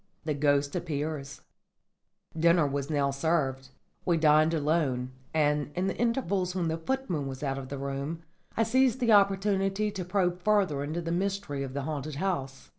THE GHOST APPEARS Dinner was now served. We dined alone, and, in the intervals when the footman was out of the room, I seized the opportunity to probe further into the mystery of the haunted house.